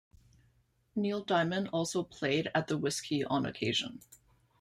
Neil Diamond also played at the Whisky on occasion.